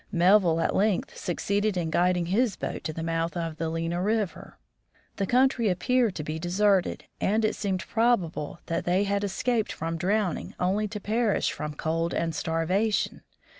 Melville at length succeeded in guiding his boat to the mouth of the Lena river. The country appeared to be deserted, and it seemed probable that they had escaped from drowning, only to perish from cold and starvation.